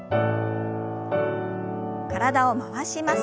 体を回します。